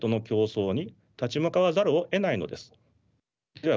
では